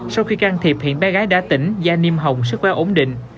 sau khi can thiệp hiện bé gái đã tỉnh gia niêm hồng sức khỏe ổn định